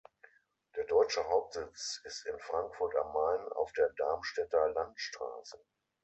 Der deutsche Hauptsitz ist in Frankfurt am Main auf der Darmstädter Landstraße.